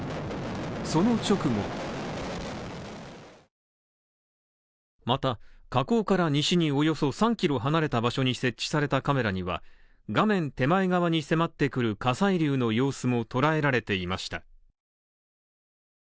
その直後、また、火口から西におよそ３キロ離れた場所に設置されたカメラには、画面手前側に迫ってくる火砕流の様子も捉えられていました。